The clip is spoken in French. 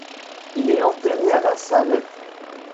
Il est enterré à La Salette.